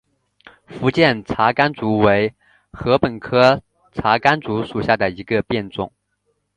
福建茶竿竹为禾本科茶秆竹属下的一个变种。